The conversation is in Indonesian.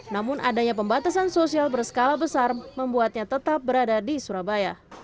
namun adanya pembatasan sosial berskala besar membuatnya tetap berada di surabaya